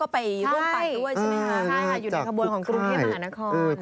ใช่ค่ะอยู่ในขบวนของกรุงเทพมาหนะคร